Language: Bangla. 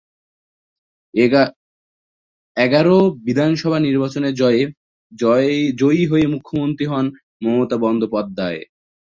এগারোর বিধানসভা নির্বাচনে জয়ী হয়ে মুখ্যমন্ত্রী হন মমতা বন্দ্যোপাধ্যায়।